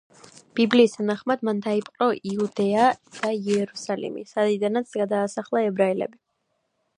ბიბლიის თანახმად, მან დაიპყრო იუდეა და იერუსალიმი, საიდანაც გადაასახლა ებრაელები.